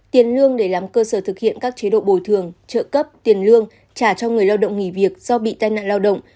tiền lương để làm cơ sở thực hiện các chế độ bồi thường trợ cấp tiền lương trả cho người lao động nghỉ việc do bị tai nạn lao động